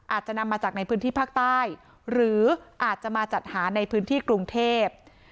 อาจจะนำมาจากในพื้นที่ภาคใต้หรืออาจจะมาจัดหาในพื้นที่กรุงเทพ